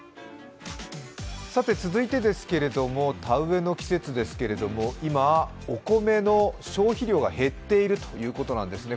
続いてですけれども、田植えの季節ですけれども、今、お米の消費量が減っているということなんですね。